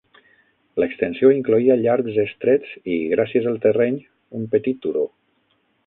L'extensió incloïa llargs estrets i gràcies al terreny, un petit turó.